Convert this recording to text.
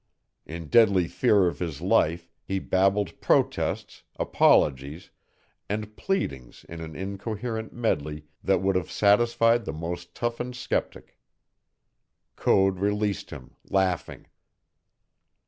In deadly fear of his life, he babbled protests, apologies, and pleadings in an incoherent medley that would have satisfied the most toughened skeptic. Code released him, laughing.